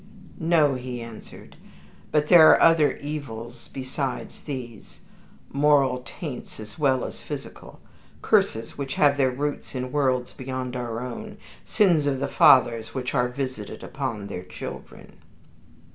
"No," he answered; "but there are other evils besides these, moral taints as well as physical, curses which have their roots in worlds beyond our own, sins of the fathers which are visited upon the children."